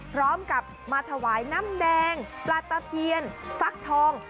พร้อมกับมาถวายน้ำแดงปลาตะเพียนฟักทอง